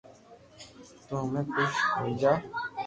تو ھمي خوݾ ھوئي جا